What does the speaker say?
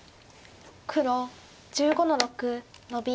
黒１５の六ノビ。